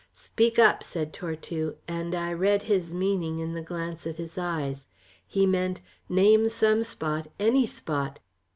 "Speak up," said Tortue, and I read his meaning in the glance of his eyes. He meant "Name some spot, any spot!"